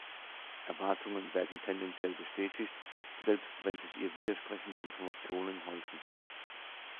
Erwartungen werden tendenziell bestätigt, selbst wenn sich ihr widersprechende Informationen häufen.